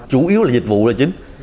chủ yếu là dịch vụ là chính